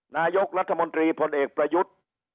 นายกรัฐมนตรีพลเอกประยุทธ์